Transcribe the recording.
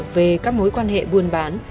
về các mối quan hệ buôn bán